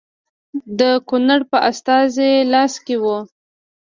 د ګورنر په استازي لاس کې وه.